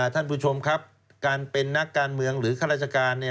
ท่านผู้ชมครับการเป็นนักการเมืองหรือข้าราชการ